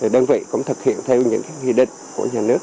đơn vị cũng thực hiện theo những nghị định của nhà nước